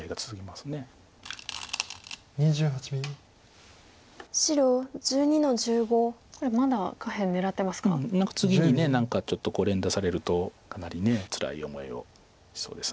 うん次に何かちょっと連打されるとかなりつらい思いをしそうです。